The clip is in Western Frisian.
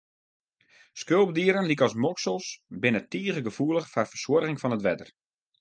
Skulpdieren lykas moksels, binne tige gefoelich foar fersuorring fan it wetter.